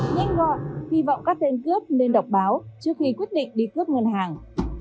nhanh gọn hy vọng các tên cướp nên đọc báo trước khi quyết định đi cướp ngân hàng